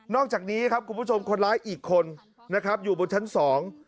อกจากนี้ครับคุณผู้ชมคนร้ายอีกคนนะครับอยู่บนชั้นสอง